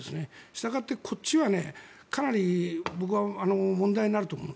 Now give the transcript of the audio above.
したがってこっちはかなり僕は問題になると思う。